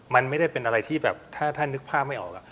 มันไม่ได้เป็นอะไรที่แบบถ้านึกภาพไม่ออกแล้ว